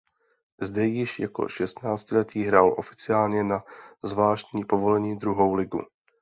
Zde již jako šestnáctiletý hrál oficiálně na zvláštní povolení druhou ligu.